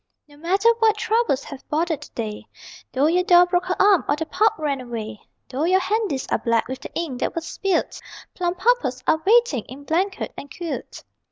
No matter what troubles have bothered the day, Though your doll broke her arm or the pup ran away; Though your handies are black with the ink that was spilt Plumpuppets are waiting in blanket and quilt.